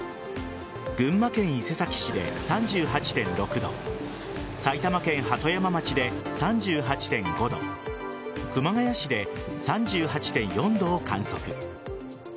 群馬県伊勢崎市で３８．６度埼玉県鳩山町で３８．５度熊谷市で３８．４度を観測。